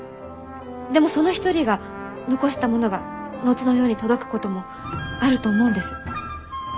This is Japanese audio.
でもその一人が残したものが後の世に届くこともあると思うんです。